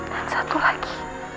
dan satu lagi